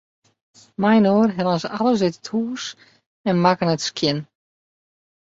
Mei-inoar hellen se alles út it hús en makken it skjin.